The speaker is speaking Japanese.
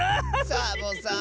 サボさん！